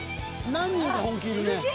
何人か本気いるね。